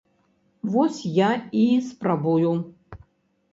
Вось я і спрабую.